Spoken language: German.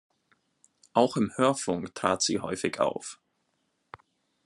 Auch im Hörfunk trat sie häufig auf.